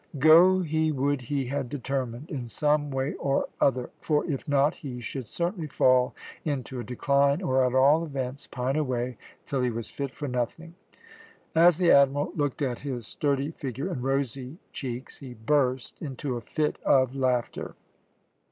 Go he would he had determined, in some way or other, for if not, he should certainly fall into a decline, or at all events pine away till he was fit for nothing. As the Admiral looked at his sturdy figure and rosy cheeks he burst into a fit of laughter.